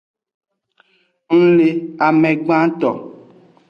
Ng le ame gbanto.